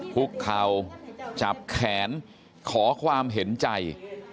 คุกเข่าจับแขนขอความเห็นใจ